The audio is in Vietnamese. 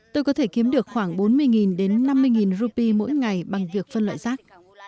tôi có thể kiếm được khoảng bốn mươi đến năm mươi rupee mỗi ngày bằng việc phân loại rác